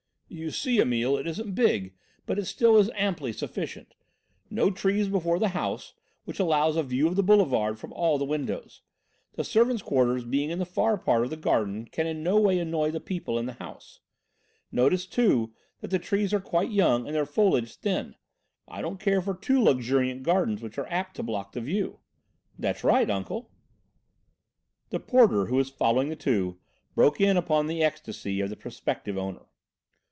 "You see, Emile, it isn't big, but still it is amply sufficient. No trees before the house, which allows a view of the Boulevard from all the windows. The servants' quarters being in the far part of the garden can in no way annoy the people in the house: Notice, too, that the trees are quite young and their foliage thin. I don't care for too luxuriant gardens which are apt to block the view." "That's right, Uncle." The porter, who was following the two, broke in upon the ecstasy of the prospective owner.